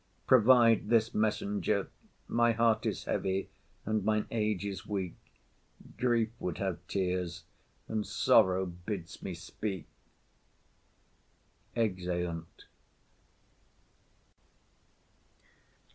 Provide this messenger. My heart is heavy, and mine age is weak; Grief would have tears, and sorrow bids me speak. [_Exeunt.